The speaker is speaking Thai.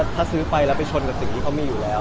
ถ้าซื้อไปแล้วไปชนกับสิ่งที่เขามีอยู่แล้ว